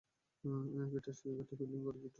Test ক্রিকেটে fielding করে দুইটি রেকর্ড করেন।